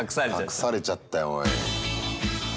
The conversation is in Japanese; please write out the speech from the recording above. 隠されちゃったよおい。